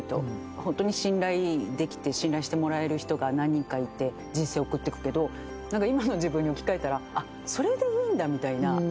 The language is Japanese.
本当に信頼できて、信頼してもらえる人が何人かいて、人生を送ってくけど、今の自分に置き換えたらあっ、それでいいんだみたいな。